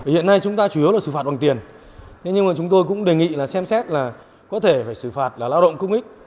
hiện nay chúng ta chủ yếu là xử phạt bằng tiền nhưng mà chúng tôi cũng đề nghị là xem xét là có thể phải xử phạt là lao động công ích